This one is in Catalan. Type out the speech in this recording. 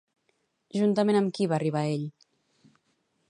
Juntament amb qui va arribar ell?